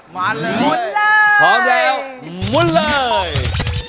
มาเลยลุ้นเลยพร้อมแล้วมุนเลย